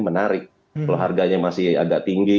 menarik kalau harganya masih agak tinggi